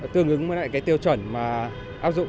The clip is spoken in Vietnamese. tương ứng với lại cái tiêu chuẩn mà áp dụng